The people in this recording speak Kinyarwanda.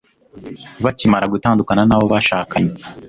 bakimara gutandukana n'abo bashakanye